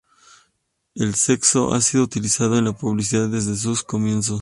El sexo ha sido utilizado en la publicidad desde sus comienzos.